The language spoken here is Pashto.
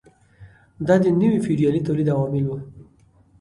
دا د نوي فیوډالي تولید عوامل وو.